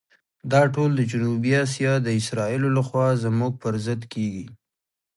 دا ټول د جنوبي آسیا د اسرائیلو لخوا زموږ پر ضد کېږي.